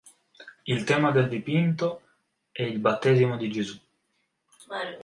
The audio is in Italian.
I tema del dipinto è il battesimo di Gesù.